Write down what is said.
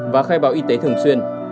và khai báo y tế thường xuyên